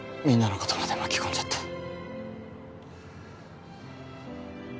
みんなのことまで巻き込んじゃって。